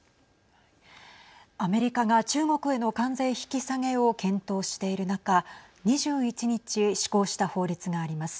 アメリカが中国への関税引き下げを検討している中２１日施行した法律があります。